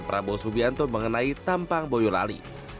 prabowo subianto mengenai tampang boyolali